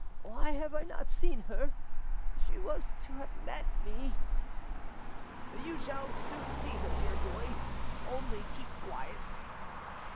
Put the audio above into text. "Why have I not seen her? She was to have met me." You shall soon see her, dear boy; only keep quiet."